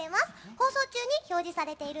放送中に表示されている